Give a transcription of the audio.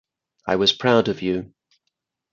I was proud of you.